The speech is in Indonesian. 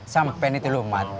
sampai ini tuh mak